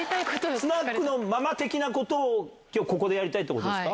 スナックのママ的なことを、きょうここでやりたいってことですか？